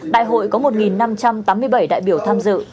đại hội có một năm trăm tám mươi bảy đại biểu tham dự